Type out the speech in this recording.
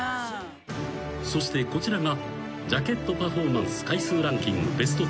［そしてこちらがジャケットパフォーマンス回数ランキングベストテン］